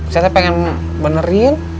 saya pengen benerin